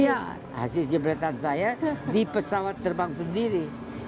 iya hasil jebretan saya di pesawat terbang sendiri